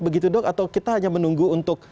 begitu dok atau kita hanya menunggu untuk